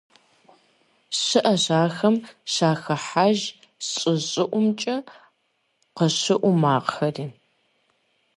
Щыӏэщ абыхэм щахыхьэж щӏы щӏыӏумкӏэ къыщыӏу макъхэри.